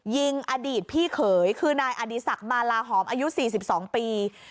ยิงอดีตพี่เขยคือนายอดีศักดิ์มาลาหอมอายุ๔๒ปี